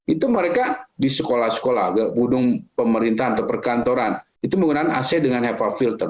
itu mereka di sekolah sekolah budung pemerintahan atau perkantoran itu menggunakan ac dengan hepa filter